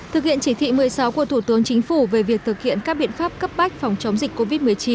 thực hiện chỉ thị một mươi sáu của thủ tướng chính phủ về việc thực hiện các biện pháp cấp bách phòng chống dịch covid một mươi chín